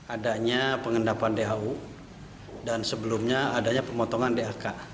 adanya pengendapan dahu dan sebelumnya adanya pemotongan dak